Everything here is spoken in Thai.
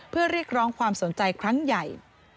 เพื่อเรียกร้องความสนใจครั้งใหญ่